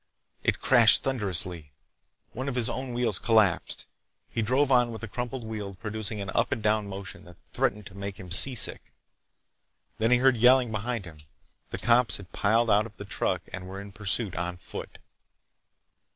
It crashed thunderously. One of his own wheels collapsed. He drove on with the crumpled wheel producing an up and down motion that threatened to make him seasick. Then he heard yelling behind him. The cops had piled out of the truck and were in pursuit on foot.